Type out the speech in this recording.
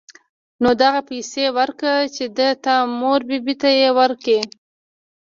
نو دغه پيسې وركه چې د تا مور بي بي ته يې وركي.